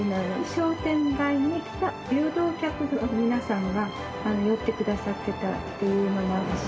商店街に来た流動客の皆さんが寄ってくださってたっていうのもあるし。